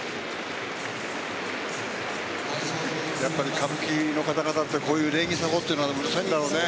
やっぱり歌舞伎の方々ってこういう礼儀作法ってのはうるさいんだろうね。